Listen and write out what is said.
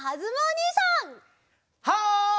はい！